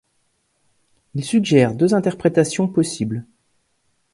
Il suggère deux interprétations possibles.